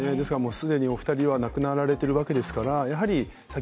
既にお二人は亡くなられているわけですから。